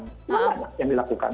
banyak yang dilakukan